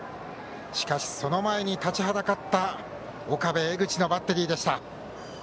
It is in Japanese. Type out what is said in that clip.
しかし、その前に立ちはだかった岡部、江口のバッテリーでした。